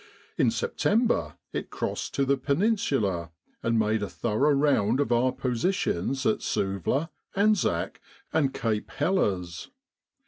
In September it crossed to the Peninsula and made a thorough round of our positions at Suvla, Anzac, and Cape Helles.